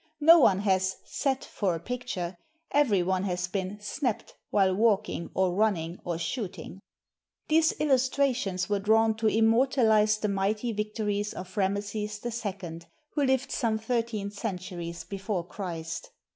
No one has "sat for a picture," every one has been "snapped" while walking or running or shooting. These illustrations were drawn to immortalize the mighty victories of Rameses II, who lived some thirteen centuries before Christ.